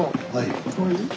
はい！